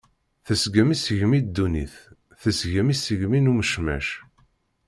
Tesgem isegmi ddunit, tesgem isegmi n umecmac.